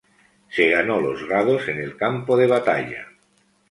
Se ganó los grados en el campo de batalla.